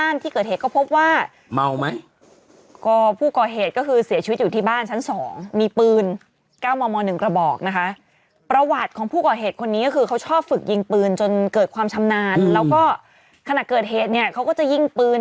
ที่เกิดเหตุคนนี้ก็คือเขาชอบฝึกยิงปืนจนเกิดความชำนาญแล้วก็ขณะเกิดเหตุเนี่ยเขาก็จะยิงปืน